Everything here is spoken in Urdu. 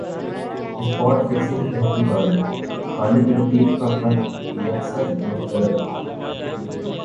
اسپاٹ فکسنگ تحقیقات خالد لطیف کا خط یکسر مسترد